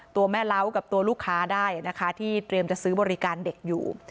ตัวแม่เล้ากับตัวลูกค้าได้นะคะที่เตรียมจะซื้อบริการเด็กอยู่